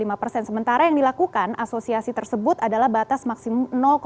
bersama dengan bumb diangkas trafik kami itu